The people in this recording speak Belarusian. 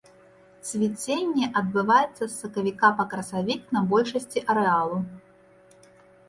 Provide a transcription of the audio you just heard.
Цвіценне адбываецца з сакавіка па красавік на большасці арэалу.